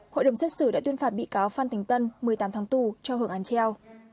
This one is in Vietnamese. hội đồng xét xử đã tuyên phạt bị cáo phan thành tân một mươi tám tháng tù cho hưởng án treo